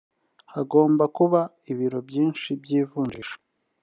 hagomba kuba ibiro byinshi by’ivunjissha